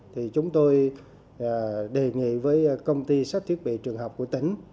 thì chúng tôi đề nghị với công ty sách thiết bị trường học của tỉnh